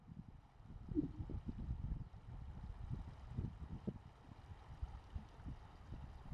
南朝梁元帝萧绎的贵嫔。